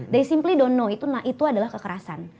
mereka tidak tahu itu adalah kekerasan